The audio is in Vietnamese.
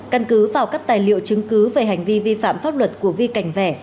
căn cứ vào các tài liệu chứng cứ về hành vi vi phạm pháp luật của vi cảnh vẽ